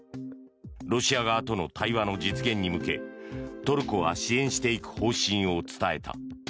ロシア側との対話の実現に向けトルコが支援していく方針を伝えた。